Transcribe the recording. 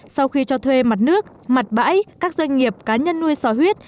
sau khi cho thuê mặt nước mặt bãi các doanh nghiệp cá nhân nuôi xò huyết